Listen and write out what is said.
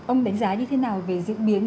ông đánh giá như thế nào về dự biến